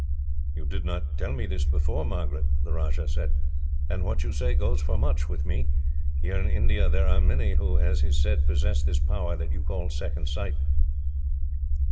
"You did not tell me this before, Margaret," the Rajah said, "and what you say goes for much, with me. Here in India there are many who, as is said, possess this power that you call second sight.